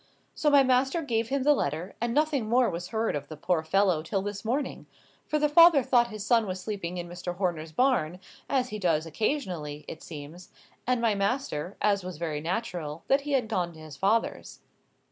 So my master gave him the letter, and nothing more was heard of the poor fellow till this morning, for the father thought his son was sleeping in Mr. Horner's barn, as he does occasionally, it seems, and my master, as was very natural, that he had gone to his father's."